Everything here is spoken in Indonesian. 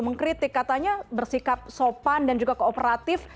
mengkritik katanya bersikap sopan dan juga kooperatif